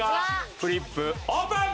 フリップオープン！